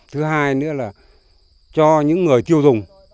thứ hai nữa là cho những người tiêu dùng